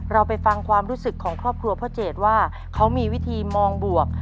เราไปฟังความรู้สึกของครอบครัวพ่อเจดว่าเขามีวิธีมองบวก